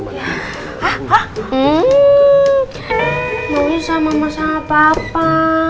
mau nyusah mama sama papa